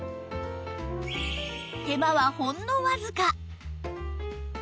手間はほんのわずか